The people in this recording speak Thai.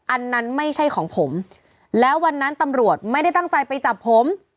อันนั้นไม่ใช่ของผมแล้ววันนั้นตำรวจไม่ได้ตั้งใจไปจับผม